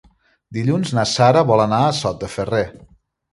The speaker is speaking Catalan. Dilluns na Sara vol anar a Sot de Ferrer.